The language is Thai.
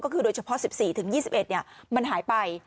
ก็คือโดยเฉพาะ๑๔ถึง๒๑มันหายไป